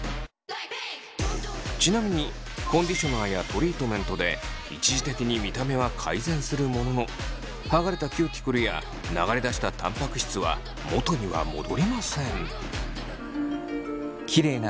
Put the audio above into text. ちなみにコンディショナーやトリートメントで一時的に見た目は改善するものの剥がれたキューティクルや流れ出したたんぱく質は元には戻りません。